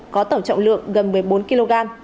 có tẩu trọng lượng gần một mươi bốn kg